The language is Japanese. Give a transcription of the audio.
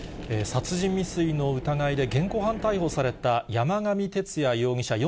殺人未遂の疑いで現行犯逮捕された山上徹也容疑者